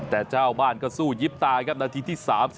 แต่เจ้าบ้านก็สู้ยิบตายครับนาทีที่๓๔